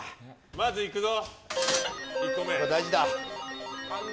まずいくぞ。